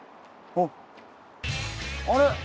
あれ？